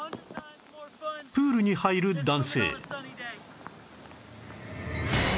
プールに入る男性